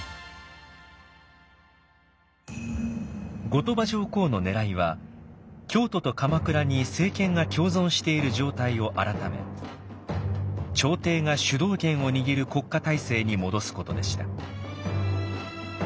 後鳥羽上皇のねらいは京都と鎌倉に政権が共存している状態を改め朝廷が主導権を握る国家体制に戻すことでした。